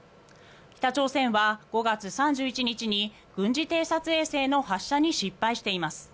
北朝鮮は５月３１日に軍事偵察衛星の発射に失敗しています。